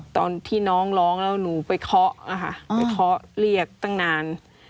ตอนที่น้องร้องแล้วหนูไปเคาะไปเคาะเรียกตั้งนาน